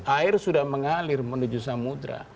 air sudah mengalir menuju samudera